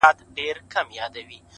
• خپل مېړه يې خواږه خوب لره بلا سوه ,